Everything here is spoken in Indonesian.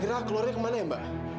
kira kira keluarnya kemana mbak